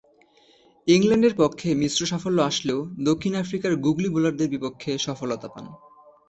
ইংল্যান্ডের পক্ষে মিশ্র সাফল্য আসলেও দক্ষিণ আফ্রিকার গুগলি বোলারদের বিপক্ষে সফলতা পান।